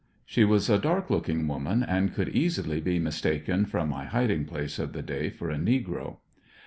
She was a dark looking woman and could easily be mistaken from my hiding place of the day for a negro.